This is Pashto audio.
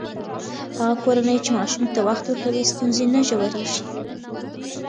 هغه کورنۍ چې ماشوم ته وخت ورکوي، ستونزې نه ژورېږي.